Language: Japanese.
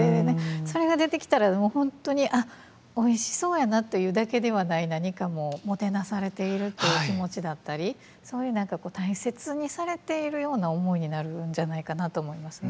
それが出てきたら本当に「あっおいしそうやな」というだけではない何かももてなされているという気持ちだったりそういう何か大切にされているような思いになるんじゃないかなと思いますね。